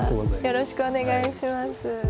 よろしくお願いします。